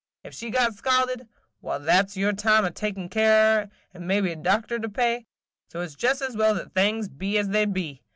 Ef she got scalded, why, there 's your time a taking care on her, and mebbe a doctor to pay; so it 's jest as well that things be as they be.